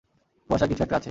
কুয়াশায় কিছু একটা আছে!